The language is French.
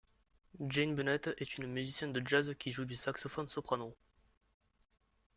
Jane Bunnett est un musicienne de jazz qui joue du saxophone soprano.